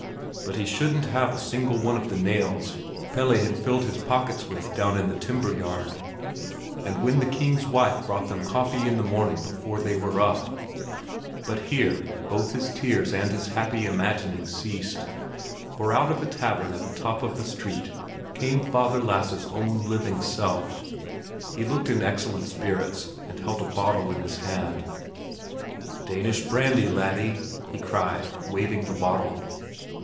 But he shouldn't have a single one of the nails Pelle had filled his pockets with down in the timber yard; and when the king's wife brought them coffee in the morning before they were up—— But here both his tears and his happy imaginings ceased, for out of a tavern at the top of the street came Father Lasse's own living self. He looked in excellent spirits and held a bottle in his hand. "Danish brandy, laddie!" he cried, waving the bottle.